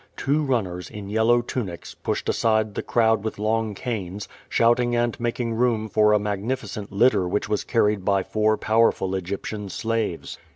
Two runners, in yellow tunics, jDUshed aside the crowd with long canes, shouting and making room for a magnificent litter which was carried by four pow erful Egyptian slaves.